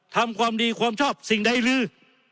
ทำความดีความชอบสิ่งใดลือ